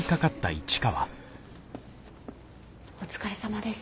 お疲れさまです。